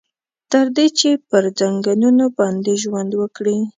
تر دې چې پر ځنګنونو باندې ژوند وکړي.